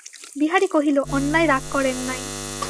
বিহারী কহিল, অন্যায় রাগ করেন নাই।